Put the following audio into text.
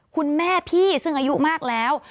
คุณแม่พี่ซึ่งอายุมากแล้ว